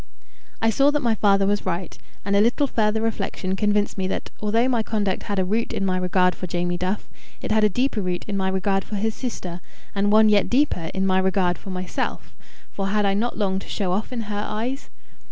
I saw that my father was right, and a little further reflection convinced me that, although my conduct had a root in my regard for Jamie Duff, it had a deeper root in my regard for his sister, and one yet deeper in my regard for myself for had I not longed to show off in her eyes?